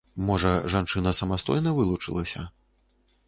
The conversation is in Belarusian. Можа, жанчына самастойна вылучылася?